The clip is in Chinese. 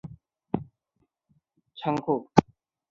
要求媳妇放在仓库